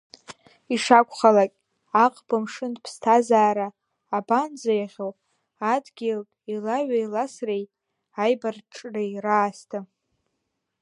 Ишакәхалак аӷба-мшынтә ԥсҭазаара абанӡеиӷьу, адгьылтә еилаҩеиласреи аибарҿҿреи раасҭа.